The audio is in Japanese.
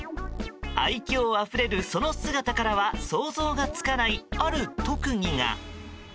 愛嬌あふれるその姿からは想像がつかないある特技が。